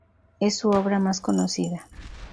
Es su obra más conocida.